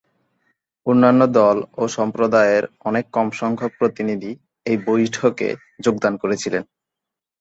অন্যান্য দল ও সম্প্রদায়ের অনেক কম সংখ্যক প্রতিনিধি এই বৈঠকে যোগদান করেছিলেন।